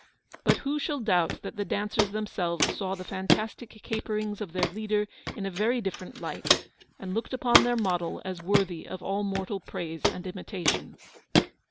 But who shall doubt that the dancers themselves saw the fan tastic caperings of their leader in a very different light, and looked upon their model as worthy of all mortal praise and imitation.